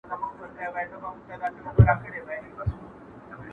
احساس د سړیتوب یم ور بللی خپل درشل ته.